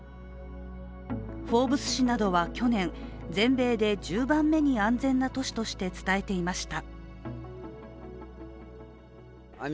「フォーブス」誌などは去年、全米で１０番目に安全な都市として伝えていました。